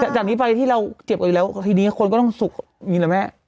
แต่จากนี้ไปที่เราเจ็บกันอยู่แล้วทีนี้คนก็ต้องสุกมีหรือไม่